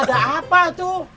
ada apa tuh